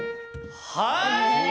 はい！